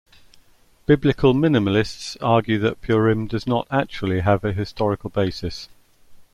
Biblical minimalists argue that Purim does not actually have a historical basis.